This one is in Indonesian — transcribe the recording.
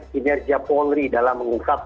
kinerja polri dalam mengungkap